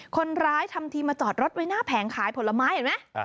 ทำทีมาจอดรถไว้หน้าแผงขายผลไม้เห็นไหม